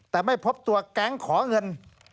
แต่ไม่พบตัวแก๊งขอเงิน